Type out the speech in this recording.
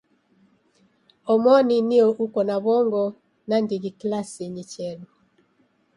Omoni nio uko na w'ongo nandighi kilasinyi kodu.